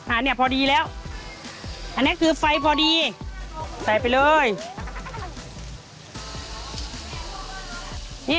อันนี้พอดีแล้วอันนี้คือไฟพอดีใส่ไปเลย